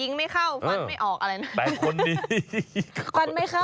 ฟันไม่เข้าแทงไม่ออก